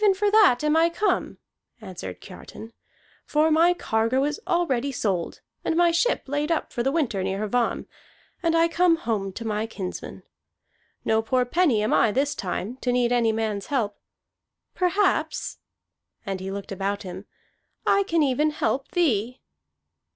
"Even for that am I come," answered Kiartan. "For my cargo is already sold, and my ship laid up for the winter near Hvamm, and I come home to my kinsman. No poor penny am I this time, to need any man's help. Perhaps," and he looked about him, "I can even help thee."